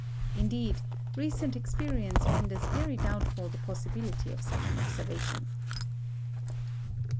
Indeed, recent experience renders very doubtful the possibility of such an observation.